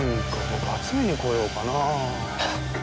僕集めに来ようかな。